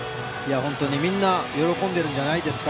本当にみんな喜んでいるんじゃないですか